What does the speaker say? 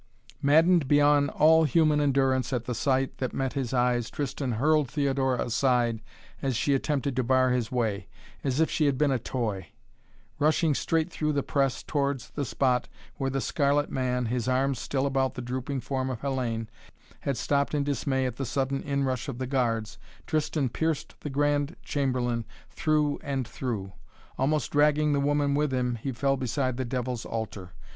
Maddened beyond all human endurance at the sight that met his eyes Tristan hurled Theodora aside as she attempted to bar his way, as if she had been a toy. Rushing straight through the press towards the spot, where the scarlet man, his arms still about the drooping form of Hellayne, had stopped in dismay at the sudden inrush of the guards, Tristan pierced the Grand Chamberlain through and through. Almost dragging the woman with him he fell beside the devil's altar.